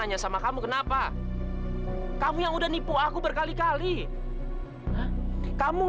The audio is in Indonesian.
aku bukan perempuan seperti itu